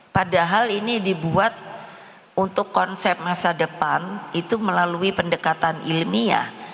padahal ini dibuat untuk konsep masa depan itu melalui pendekatan ilmiah